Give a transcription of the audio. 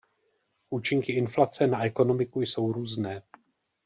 Účinky inflace na ekonomiku jsou různé.